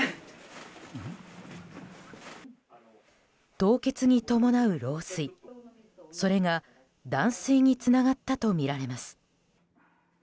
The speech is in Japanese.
凍結に伴う漏水、それが断水につながったとみられます。